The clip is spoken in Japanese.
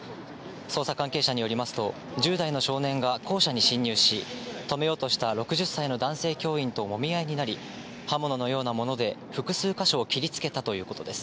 捜査関係者によりますと、１０代の少年が校舎に侵入し、止めようとした６０歳の男性教員ともみ合いになり、刃物のようなもので複数箇所を切りつけたということです。